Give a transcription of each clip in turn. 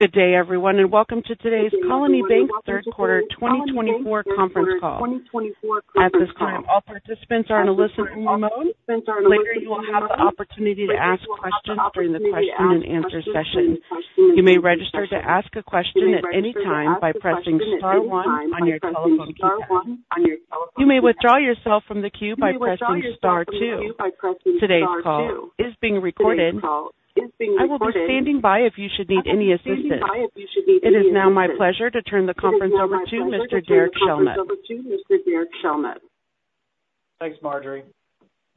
Good day, everyone, and welcome to today's Colony Bank third quarter 2024 conference call. At this time, all participants are in a listen-only mode. Later, you will have the opportunity to ask questions during the question-and-answer session. You may register to ask a question at any time by pressing star one on your telephone keypad. You may withdraw yourself from the queue by pressing star two. Today's call is being recorded. I will be standing by if you should need any assistance. It is now my pleasure to turn the conference over to Mr. Derek Shelnutt. Thanks, Marjorie.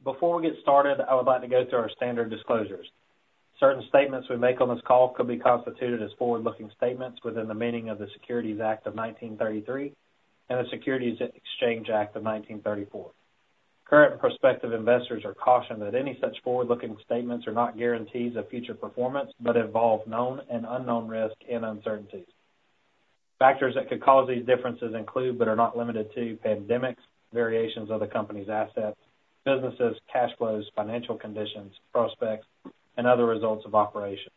Before we get started, I would like to go through our standard disclosures. Certain statements we make on this call could be constituted as forward-looking statements within the meaning of the Securities Act of 1933 and the Securities Exchange Act of 1934. Current prospective investors are cautioned that any such forward-looking statements are not guarantees of future performance, but involve known and unknown risks and uncertainties. Factors that could cause these differences include, but are not limited to, pandemics, variations of the company's assets, businesses, cash flows, financial conditions, prospects, and other results of operations.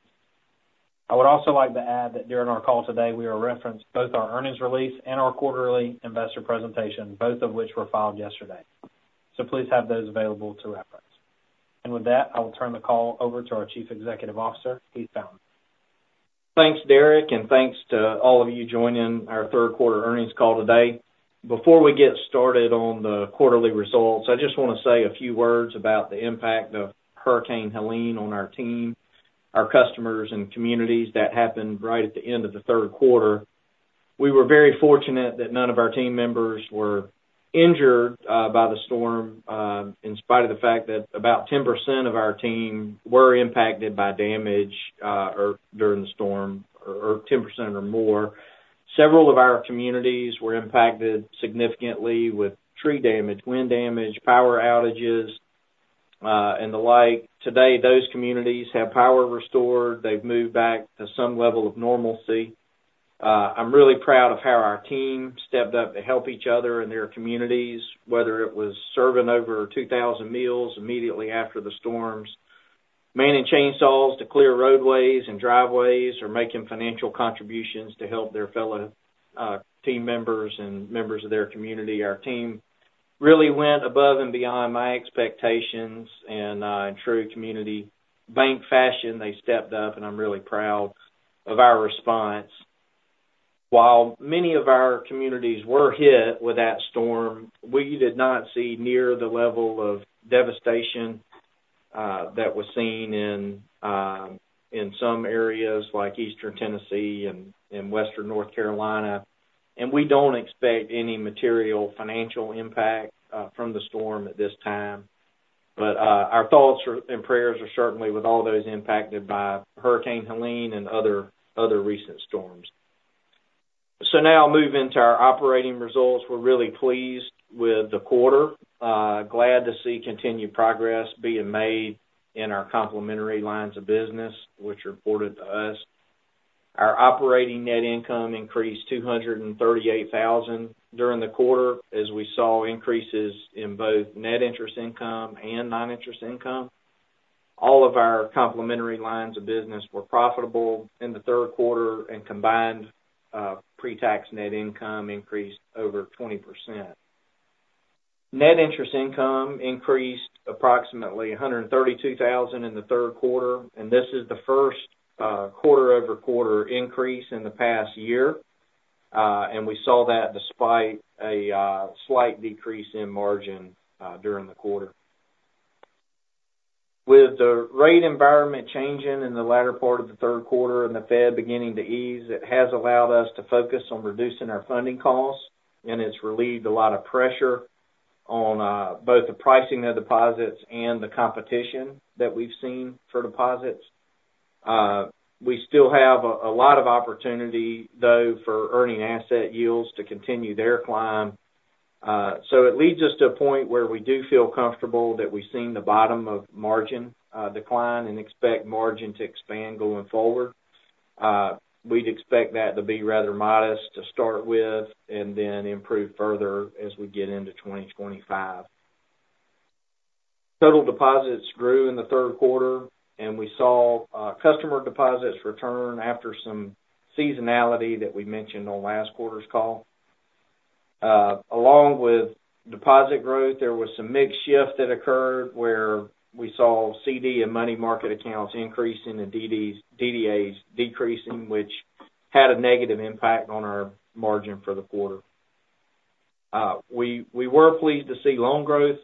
I would also like to add that during our call today, we will reference both our earnings release and our quarterly investor presentation, both of which were filed yesterday. So please have those available to reference. With that, I will turn the call over to our Chief Executive Officer, Heath Fountain. Thanks, Derek, and thanks to all of you joining our third quarter earnings call today. Before we get started on the quarterly results, I just want to say a few words about the impact of Hurricane Helene on our team, our customers, and communities that happened right at the end of the third quarter. We were very fortunate that none of our team members were injured by the storm in spite of the fact that about 10% of our team were impacted by damage or during the storm, or 10% or more. Several of our communities were impacted significantly with tree damage, wind damage, power outages, and the like. Today, those communities have power restored. They've moved back to some level of normalcy. I'm really proud of how our team stepped up to help each other in their communities, whether it was serving over 2,000 meals immediately after the storms, manning chainsaws to clear roadways and driveways, or making financial contributions to help their fellow team members and members of their community. Our team really went above and beyond my expectations, and in true community bank fashion, they stepped up, and I'm really proud of our response. While many of our communities were hit with that storm, we did not see near the level of devastation that was seen in some areas like Eastern Tennessee and Western North Carolina, and we don't expect any material financial impact from the storm at this time. But our thoughts and prayers are certainly with all those impacted by Hurricane Helene and other recent storms. So now moving to our operating results. We're really pleased with the quarter. Glad to see continued progress being made in our complementary lines of business, which are important to us. Our operating net income increased $238,000 during the quarter, as we saw increases in both net interest income and non-interest income. All of our complementary lines of business were profitable in the third quarter, and combined, pre-tax net income increased over 20%. Net interest income increased approximately $132,000 in the third quarter, and this is the first quarter-over-quarter increase in the past year. And we saw that despite a slight decrease in margin during the quarter. With the rate environment changing in the latter part of the third quarter and the Fed beginning to ease, it has allowed us to focus on reducing our funding costs, and it's relieved a lot of pressure on both the pricing of deposits and the competition that we've seen for deposits. We still have a lot of opportunity, though, for earning asset yields to continue their climb. So it leads us to a point where we do feel comfortable that we've seen the bottom of margin decline and expect margin to expand going forward. We'd expect that to be rather modest to start with, and then improve further as we get into 2025. Total deposits grew in the third quarter, and we saw customer deposits return after some seasonality that we mentioned on last quarter's call. Along with deposit growth, there was some mixed shift that occurred, where we saw CD and money market accounts increasing and DDAs decreasing, which had a negative impact on our margin for the quarter. We were pleased to see loan growth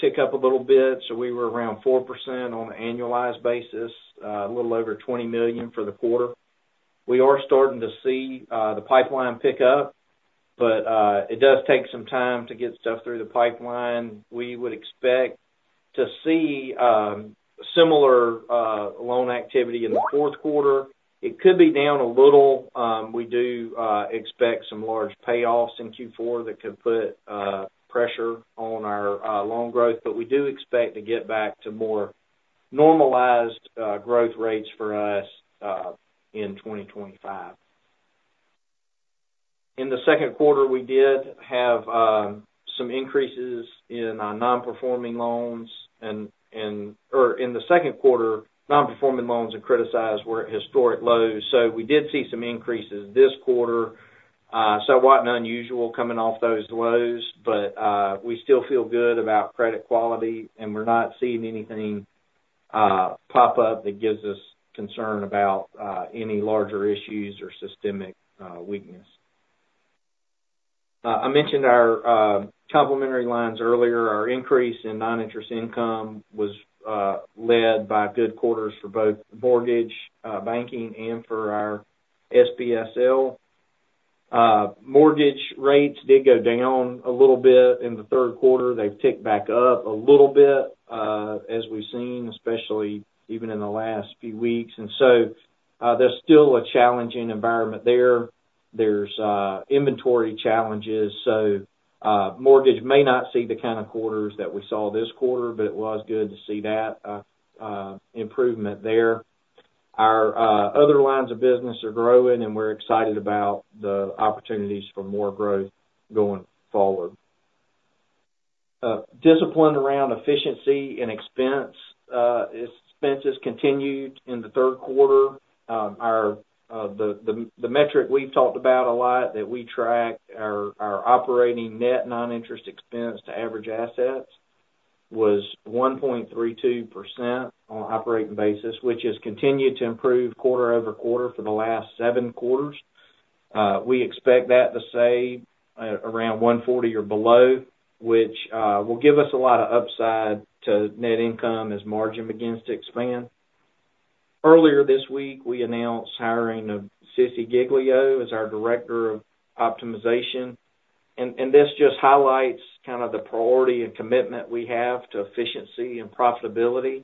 tick up a little bit, so we were around 4% on an annualized basis, a little over $20 million for the quarter. We are starting to see the pipeline pick up, but it does take some time to get stuff through the pipeline. We would expect to see similar loan activity in the fourth quarter. It could be down a little. We do expect some large payoffs in Q4 that could put pressure on our loan growth, but we do expect to get back to more normalized growth rates for us in 2025. In the second quarter, we did have some increases in non-performing loans, or in the second quarter, non-performing loans and criticized were at historic lows. So we did see some increases this quarter, somewhat unusual coming off those lows, but we still feel good about credit quality, and we're not seeing anything pop up that gives us concern about any larger issues or systemic weakness. I mentioned our complementary lines earlier. Our increase in non-interest income was led by good quarters for both mortgage banking and for our SBSL. Mortgage rates did go down a little bit in the third quarter. They've ticked back up a little bit, as we've seen, especially even in the last few weeks. And so, there's still a challenging environment there. There's inventory challenges, so mortgage may not see the kind of quarters that we saw this quarter, but it was good to see that improvement there. Our other lines of business are growing, and we're excited about the opportunities for more growth going forward. Discipline around efficiency and expenses continued in the third quarter. The metric we've talked about a lot that we track, our operating net non-interest expense to average assets was 1.32% on an operating basis, which has continued to improve quarter-over-quarter for the last seven quarters. We expect that to stay around 1.40% or below, which will give us a lot of upside to net income as margin begins to expand. Earlier this week, we announced hiring of Sissy Giglio as our Director of Optimization. And this just highlights kind of the priority and commitment we have to efficiency and profitability.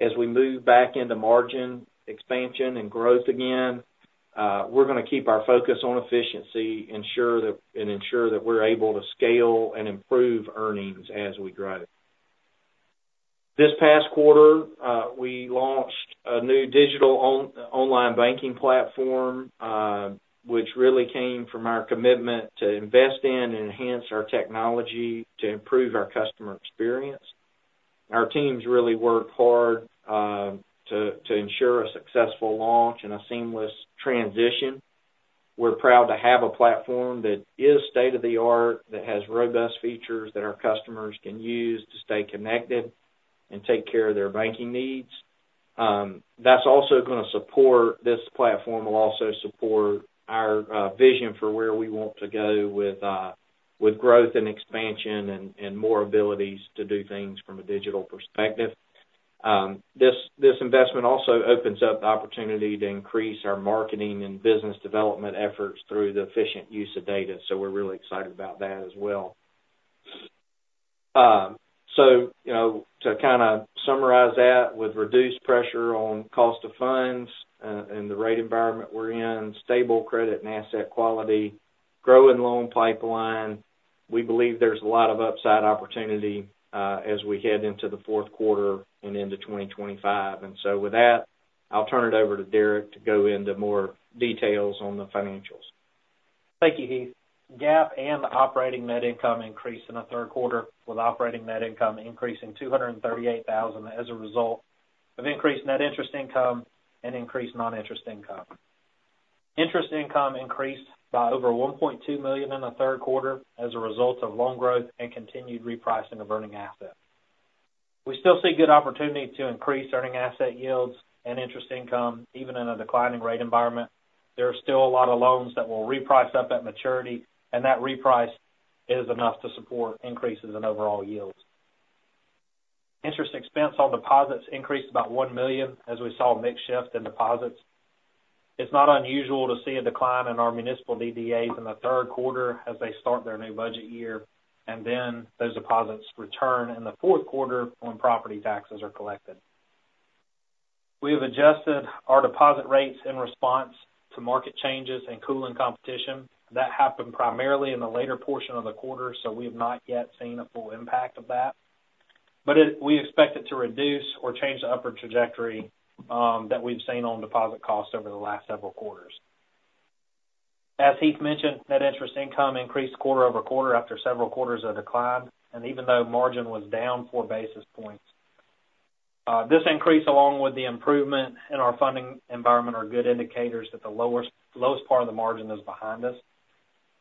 As we move back into margin expansion and growth again, we're going to keep our focus on efficiency, ensure that we're able to scale and improve earnings as we grow. This past quarter, we launched a new digital online banking platform, which really came from our commitment to invest in and enhance our technology to improve our customer experience. Our teams really worked hard to ensure a successful launch and a seamless transition. We're proud to have a platform that is state-of-the-art, that has robust features that our customers can use to stay connected and take care of their banking needs. That's also going to support this platform. This platform will also support our vision for where we want to go with growth and expansion and more abilities to do things from a digital perspective. This investment also opens up the opportunity to increase our marketing and business development efforts through the efficient use of data, so we're really excited about that as well. So, you know, to kind of summarize that, with reduced pressure on cost of funds and the rate environment we're in, stable credit and asset quality, growing loan pipeline, we believe there's a lot of upside opportunity as we head into the fourth quarter and into 2025. And so with that, I'll turn it over to Derek to go into more details on the financials. Thank you, Heath. GAAP and operating net income increased in the third quarter, with operating net income increasing $238,000 as a result of increased net interest income and increased non-interest income. Interest income increased by over $1.2 million in the third quarter as a result of loan growth and continued repricing of earning assets. We still see good opportunity to increase earning asset yields and interest income, even in a declining rate environment. There are still a lot of loans that will reprice up at maturity, and that reprice is enough to support increases in overall yields. Interest expense on deposits increased about $1 million, as we saw a mix shift in deposits. It's not unusual to see a decline in our municipal DDAs in the third quarter as they start their new budget year, and then those deposits return in the fourth quarter when property taxes are collected. We have adjusted our deposit rates in response to market changes and cooling competition. That happened primarily in the later portion of the quarter, so we have not yet seen the full impact of that. But we expect it to reduce or change the upward trajectory that we've seen on deposit costs over the last several quarters. As Heath mentioned, net interest income increased quarter-over-quarter after several quarters of decline, and even though margin was down four basis points. This increase, along with the improvement in our funding environment, are good indicators that the lowest part of the margin is behind us.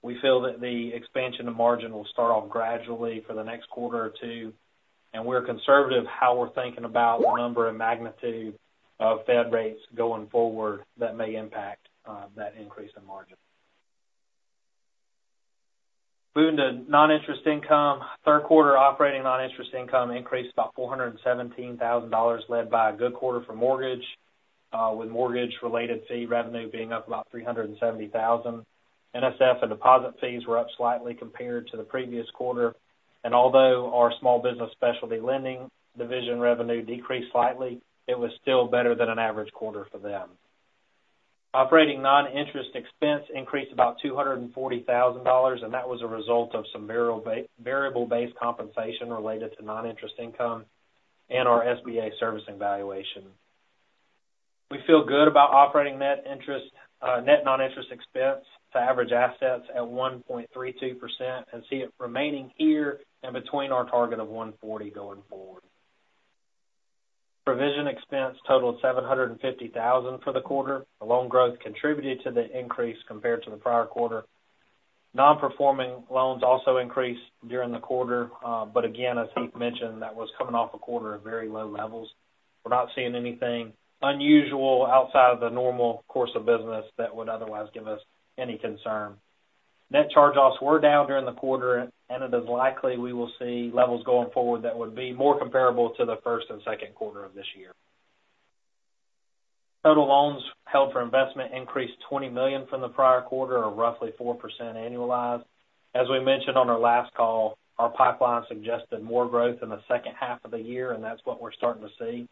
We feel that the expansion of margin will start off gradually for the next quarter or two, and we're conservative how we're thinking about the number and magnitude of Fed rates going forward that may impact that increase in margin. Moving to non-interest income, third quarter operating non-interest income increased about $417,000, led by a good quarter for mortgage with mortgage-related fee revenue being up about $370,000. NSF and deposit fees were up slightly compared to the previous quarter, and although our Small Business Specialty Lending division revenue decreased slightly, it was still better than an average quarter for them. Operating non-interest expense increased about $240,000, and that was a result of some variable-based compensation related to non-interest income and our SBA servicing valuation. We feel good about operating net non-interest expense to average assets at 1.32%, and see it remaining here and between our target of 1.40% going forward. Provision expense totaled $750,000 for the quarter. The loan growth contributed to the increase compared to the prior quarter. Non-performing loans also increased during the quarter, but again, as Heath mentioned, that was coming off a quarter of very low levels. We're not seeing anything unusual outside of the normal course of business that would otherwise give us any concern. Net charge-offs were down during the quarter, and it is likely we will see levels going forward that would be more comparable to the first and second quarter of this year. Total loans held for investment increased $20 million from the prior quarter, or roughly 4% annualized. As we mentioned on our last call, our pipeline suggested more growth in the second half of the year, and that's what we're starting to see.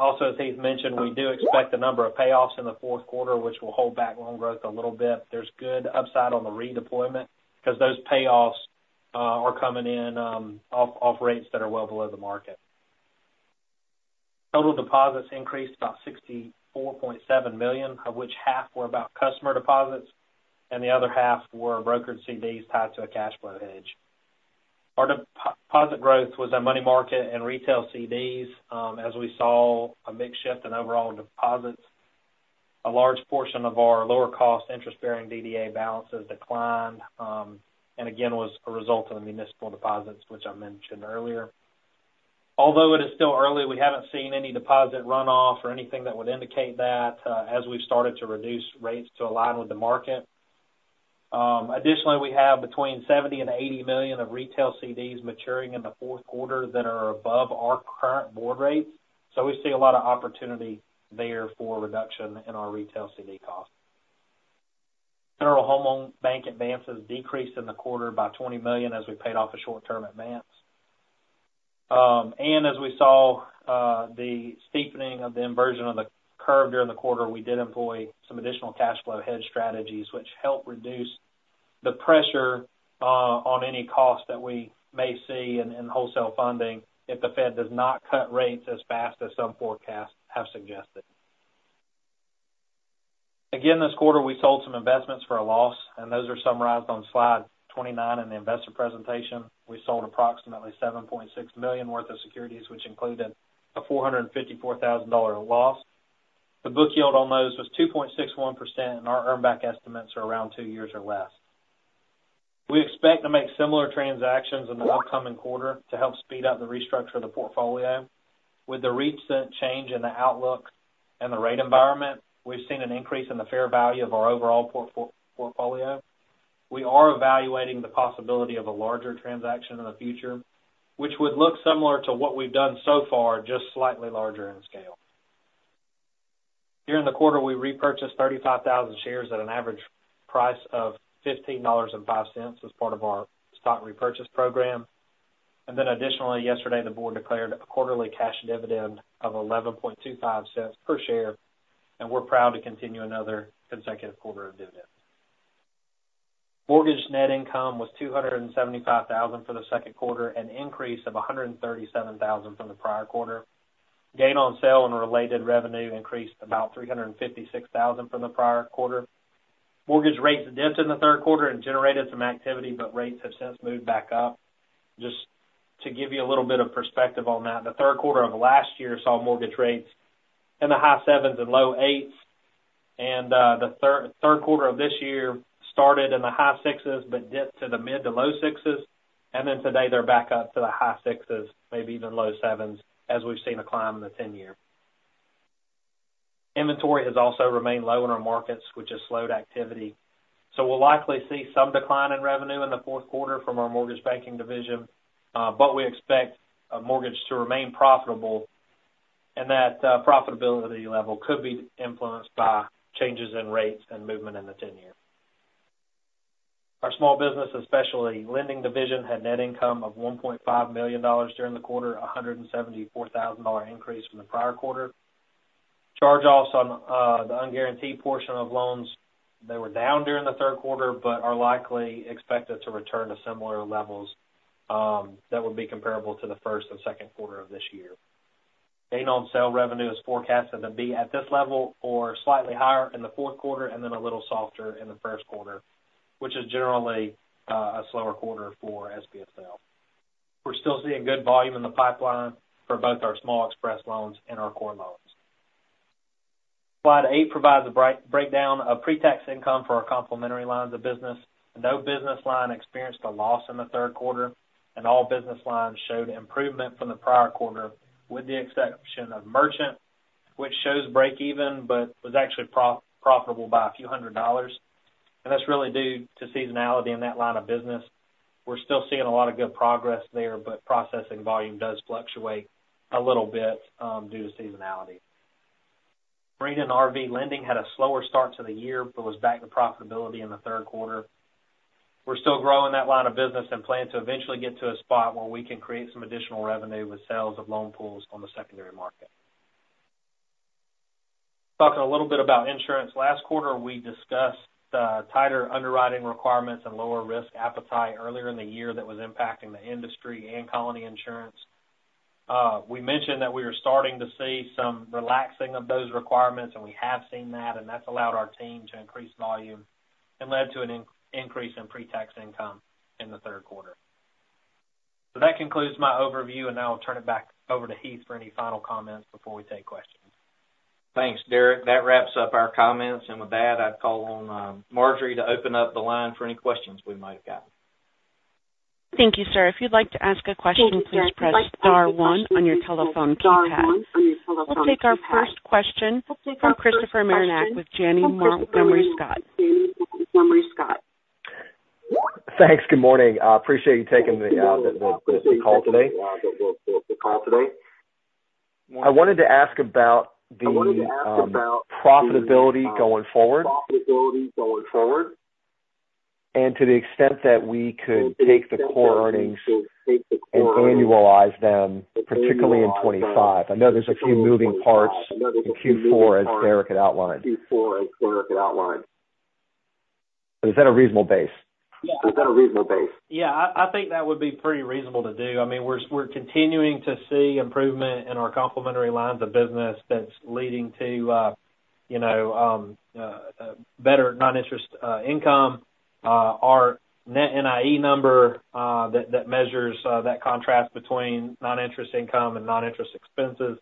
Also, as Heath mentioned, we do expect a number of payoffs in the fourth quarter, which will hold back loan growth a little bit. There's good upside on the redeployment, because those payoffs are coming in off rates that are well below the market. Total deposits increased about $64.7 million, of which half were core customer deposits, and the other half were brokered CDs tied to a cash flow hedge. Our deposit growth was in money market and retail CDs, as we saw a big shift in overall deposits. A large portion of our lower cost, interest-bearing DDA balances declined, and again, was a result of the municipal deposits, which I mentioned earlier. Although it is still early, we haven't seen any deposit runoff or anything that would indicate that, as we've started to reduce rates to align with the market. Additionally, we have between $70 million and $80 million of retail CDs maturing in the fourth quarter that are above our current board rates, so we see a lot of opportunity there for reduction in our retail CD costs. Federal Home Loan Bank advances decreased in the quarter by $20 million as we paid off a short-term advance. And as we saw, the steepening of the inversion of the curve during the quarter, we did employ some additional cash flow hedge strategies, which helped reduce the pressure on any costs that we may see in wholesale funding if the Fed does not cut rates as fast as some forecasts have suggested. Again, this quarter, we sold some investments for a loss, and those are summarized on slide 29 in the investor presentation. We sold approximately $7.6 million worth of securities, which included a $454,000 loss. The book yield on those was 2.61%, and our earn back estimates are around two years or less. We expect to make similar transactions in the upcoming quarter to help speed up the restructure of the portfolio. With the recent change in the outlook and the rate environment, we've seen an increase in the fair value of our overall portfolio. We are evaluating the possibility of a larger transaction in the future, which would look similar to what we've done so far, just slightly larger in scale. During the quarter, we repurchased 35,000 shares at an average price of $15.05 as part of our stock repurchase program, and then additionally, yesterday, the board declared a quarterly cash dividend of $0.1125 per share, and we're proud to continue another consecutive quarter of dividends. Mortgage net income was $275,000 for the second quarter, an increase of $137,000 from the prior quarter. Gain on sale and related revenue increased about $356,000 from the prior quarter. Mortgage rates dipped in the third quarter and generated some activity, but rates have since moved back up. Just to give you a little bit of perspective on that, the third quarter of last year saw mortgage rates in the high sevens and low eights, and the third quarter of this year started in the high sixes, but dipped to the mid to low sixes, and then today, they're back up to the high sixes, maybe even low sevens, as we've seen a climb in the 10-year. Inventory has also remained low in our markets, which has slowed activity. So we'll likely see some decline in revenue in the fourth quarter from our mortgage banking division, but we expect mortgage to remain profitable, and that profitability level could be influenced by changes in rates and movement in the 10-year. Our Small Business Specialty Lending division had net income of $1.5 million during the quarter, a $174,000 increase from the prior quarter. Charge-offs on the unguaranteed portion of loans were down during the third quarter, but are likely expected to return to similar levels that would be comparable to the first and second quarter of this year. Gain on sale revenue is forecasted to be at this level or slightly higher in the fourth quarter, and then a little softer in the first quarter, which is generally a slower quarter for SBSL. We're still seeing good volume in the pipeline for both our Small Express loans and our core loans. Slide eight provides a breakdown of pre-tax income for our complementary lines of business. No business line experienced a loss in the third quarter, and all business lines showed improvement from the prior quarter, with the exception of merchant, which shows breakeven, but was actually profitable by a few hundred dollars, and that's really due to seasonality in that line of business. We're still seeing a lot of good progress there, but processing volume does fluctuate a little bit due to seasonality. Marine and RV Lending had a slower start to the year, but was back to profitability in the third quarter. We're still growing that line of business and plan to eventually get to a spot where we can create some additional revenue with sales of loan pools on the secondary market. Talking a little bit about insurance. Last quarter, we discussed tighter underwriting requirements and lower risk appetite earlier in the year that was impacting the industry and Colony Insurance. We mentioned that we were starting to see some relaxing of those requirements, and we have seen that, and that's allowed our team to increase volume and led to an increase in pre-tax income in the third quarter. So that concludes my overview, and now I'll turn it back over to Heath for any final comments before we take questions. Thanks, Derek. That wraps up our comments, and with that, I'd call on, Marjorie to open up the line for any questions we might have got. Thank you, sir. If you'd like to ask a question, please press star one on your telephone keypad. We'll take our first question from Christopher Marinac with Janney Montgomery Scott. Thanks. Good morning. Appreciate you taking the call today. I wanted to ask about the profitability going forward, and to the extent that we could take the core earnings and annualize them, particularly in 2025. I know there's a few moving parts in Q4, as Derek had outlined. But is that a reasonable base? Yeah. I, I think that would be pretty reasonable to do. I mean, we're, we're continuing to see improvement in our complementary lines of business that's leading to, you know, better non-interest income. Our net NIE number, that measures that contrast between non-interest income and non-interest expenses,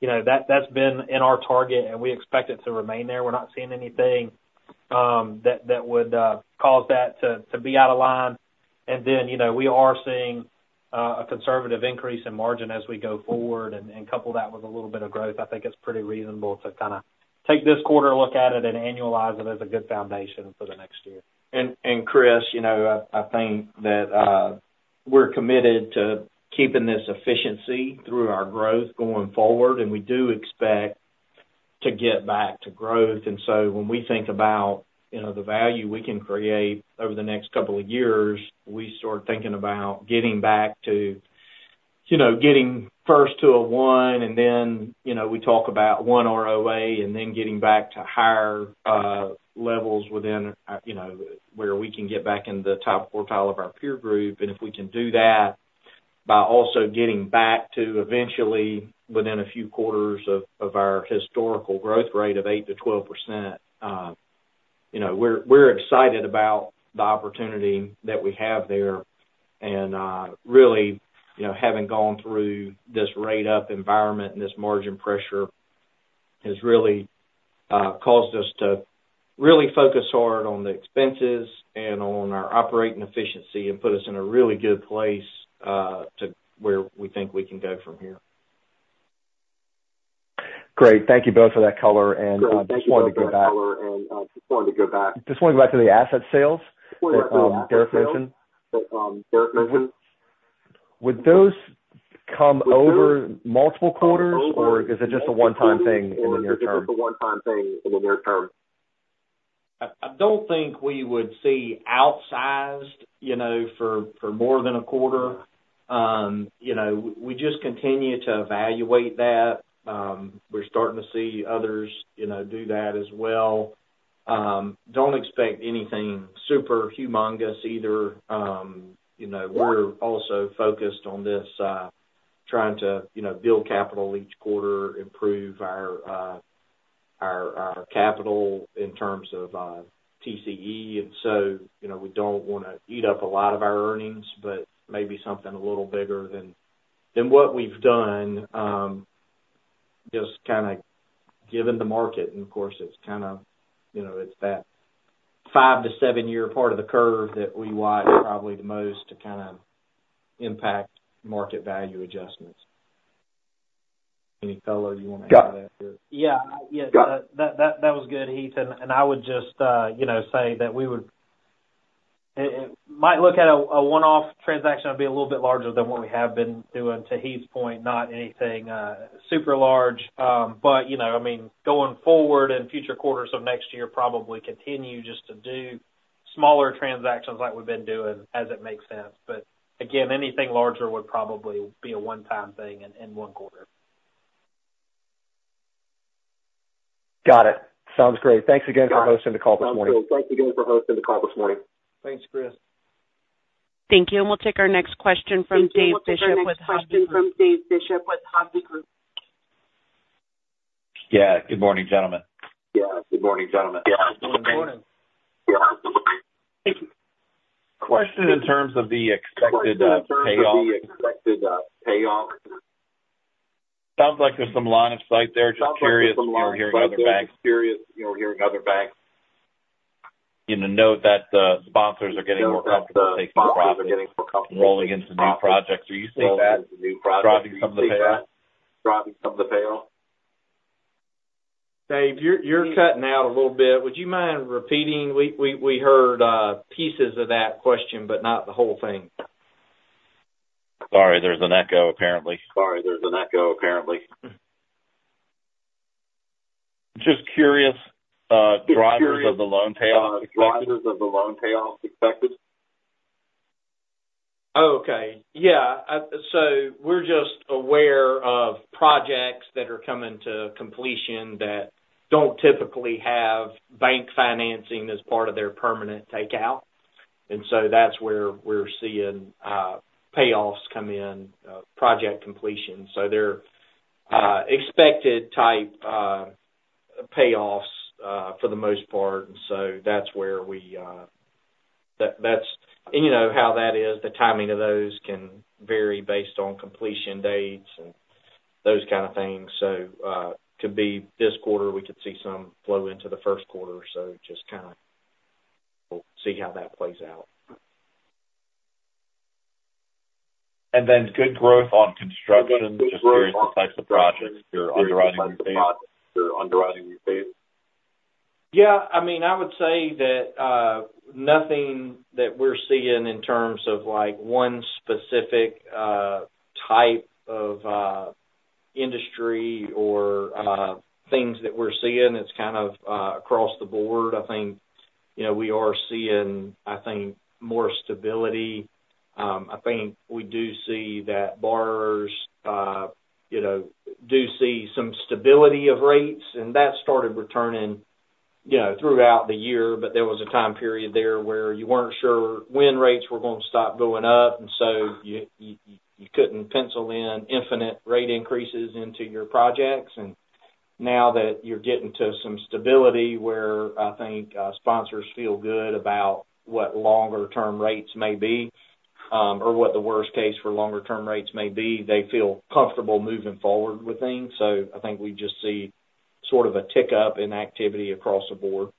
you know, that's been in our target, and we expect it to remain there. We're not seeing anything, that would cause that to be out of line. And then, you know, we are seeing a conservative increase in margin as we go forward, and couple that with a little bit of growth. I think it's pretty reasonable to kind of take this quarter, look at it, and annualize it as a good foundation for the next year. Chris, you know, I think that we're committed to keeping this efficiency through our growth going forward, and we do expect to get back to growth. And so when we think about, you know, the value we can create over the next couple of years, we start thinking about getting back to, you know, getting first to a one, and then, you know, we talk about 1.00% ROA, and then getting back to higher levels within, you know, where we can get back in the top quartile of our peer group. And if we can do that by also getting back to eventually, within a few quarters of our historical growth rate of 8%-12%, you know, we're excited about the opportunity that we have there. Really, you know, having gone through this rate-up environment and this margin pressure, has really caused us to really focus hard on the expenses and on our operating efficiency, and put us in a really good place to where we think we can go from here. Great. Thank you both for that color. And, just wanted to go back- Great. Thank you both for that color, and just wanted to go back. Just wanted to go back to the asset sales that Derek mentioned. Would those come over multiple quarters, or is it just a one-time thing in the near term? I don't think we would see outsized, you know, for more than a quarter. You know, we just continue to evaluate that. We're starting to see others, you know, do that as well. Don't expect anything super humongous either. You know, we're also focused on this, trying to, you know, build capital each quarter, improve our capital in terms of TCE. And so, you know, we don't want to eat up a lot of our earnings, but maybe something a little bigger than what we've done, just kind of given the market. And of course, it's kind of, you know, it's that five to seven-year part of the curve that we watch probably the most to kind of impact market value adjustments. Any color you want to add to that, Derek? Yeah. Yeah. Got it. That was good, Heath, and I would just, you know, say that we would. It might look at a one-off transaction, it'd be a little bit larger than what we have been doing. To Heath's point, not anything super large, but you know, I mean, going forward in future quarters of next year, probably continue just to do smaller transactions like we've been doing as it makes sense. But again, anything larger would probably be a one-time thing in one quarter. Got it. Sounds great. Thanks again for hosting the call this morning. Thanks, Chris. Thank you, and we'll take our next question from Dave Bishop with Hovde Group. Yeah. Good morning, gentlemen. Yeah. Good morning, gentlemen. Good morning. Question in terms of the expected payoff. Sounds like there's some line of sight there. Just curious, you know, hearing other banks. You know, note that the sponsors are getting more comfortable taking the profits, rolling into new projects. Do you see that, driving some of the payoffs? Dave, you're cutting out a little bit. Would you mind repeating? We heard pieces of that question, but not the whole thing. Sorry, there's an echo, apparently. Just curious, drivers of the loan payoffs expected? ...Okay. Yeah, so we're just aware of projects that are coming to completion that don't typically have bank financing as part of their permanent takeout. And so that's where we're seeing payoffs come in, project completion. So they're expected type payoffs for the most part, and so that's where we, that's. And you know how that is, the timing of those can vary based on completion dates and those kind of things. So could be this quarter, we could see some flow into the first quarter or so, just kind of we'll see how that plays out. And then, good growth on construction. Just curious the types of projects you're underwriting these days? Yeah, I mean, I would say that nothing that we're seeing in terms of, like, one specific type of industry or things that we're seeing, it's kind of across the board. I think, you know, we are seeing, I think, more stability. I think we do see that borrowers, you know, do see some stability of rates, and that started returning, you know, throughout the year, but there was a time period there where you weren't sure when rates were going to stop going up, and so you couldn't pencil in infinite rate increases into your projects. Now that you're getting to some stability, where I think sponsors feel good about what longer term rates may be, or what the worst case for longer term rates may be, they feel comfortable moving forward with things. So I think we just see sort of a tick up in activity across the board.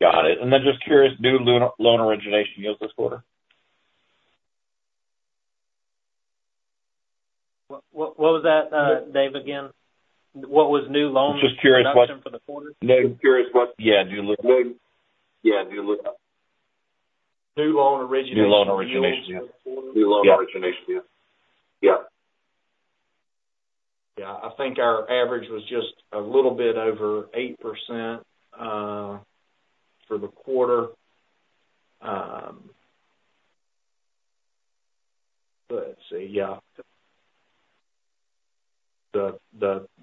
Got it. And then just curious, new loan, loan origination yields this quarter? What was that, Dave, again? What was new loans- Just curious what- Production for the quarter? Just curious what... Yeah, new l- New loan origination. New loan origination, yeah. New loan origination. New loan origination, yeah. Yeah. Yeah, I think our average was just a little bit over 8% for the quarter.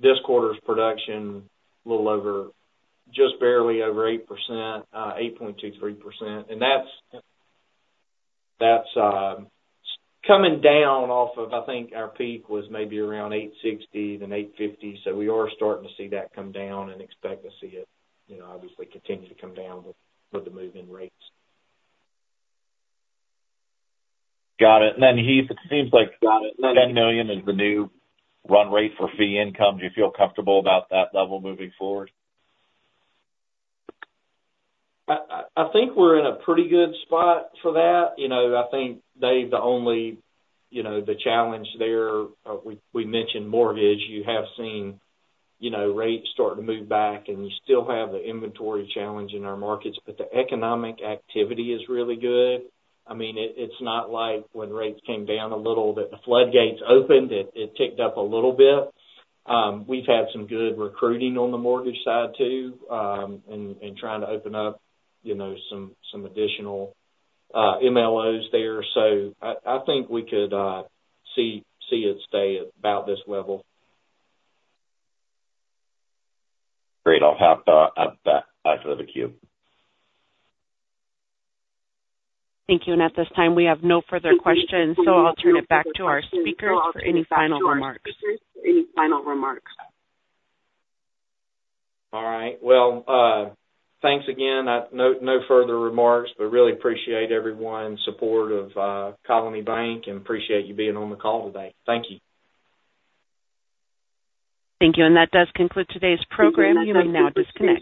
This quarter's production, a little over, just barely over 8%, 8.23%. And that's coming down off of, I think, our peak was maybe around 8.60%, then 8.50%. So we are starting to see that come down and expect to see it, you know, obviously continue to come down with the move in rates. Got it. And then, Heath, it seems like 10 million is the new run rate for fee income. Do you feel comfortable about that level moving forward? I think we're in a pretty good spot for that. You know, I think, Dave, the only, you know, the challenge there, we mentioned mortgage. You have seen, you know, rates starting to move back, and you still have the inventory challenge in our markets, but the economic activity is really good. I mean, it's not like when rates came down a little, that the floodgates opened, it ticked up a little bit. We've had some good recruiting on the mortgage side, too, and trying to open up, you know, some additional MLOs there. So I think we could see it stay at about this level. Great. I'll have to add that back to the queue. Thank you. And at this time, we have no further questions, so I'll turn it back to our speakers for any final remarks. All right. Thanks again. No further remarks, but really appreciate everyone's support of Colony Bank, and appreciate you being on the call today. Thank you. Thank you, and that does conclude today's program. You may now disconnect.